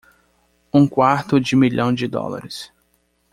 Um quarto de milhão de dólares.